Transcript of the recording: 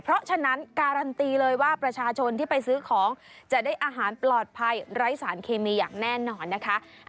เพราะฉะนั้นการันตีเลยว่าประชาชนที่ไปซื้อของจะได้อาหารปลอดภัยไร้สารเคมีอย่างแน่นอนนะคะ